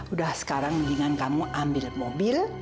udah sekarang mendingan kamu ambil mobil